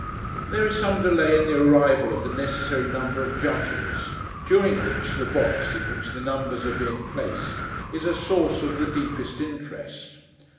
There is some delay in the arrival of the necessary number of judges; during which, the box, in which the numbers are being placed, is a source of the deepest interest.